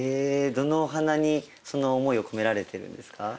どのお花にその思いを込められてるんですか？